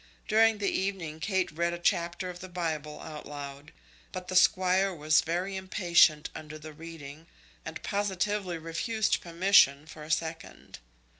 During the evening Kate read a chapter of the Bible out loud. But the Squire was very impatient under the reading, and positively refused permission for a second.